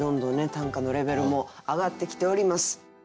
短歌のレベルも上がってきております。